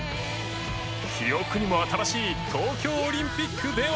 記憶にも新しい東京オリンピックでは